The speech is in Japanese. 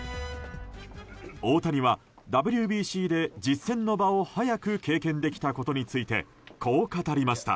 大谷はＷＢＣで実戦の場を早く経験できたことについてこう語りました。